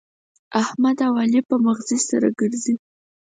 احمد او علي په مغزي سره ګرزي.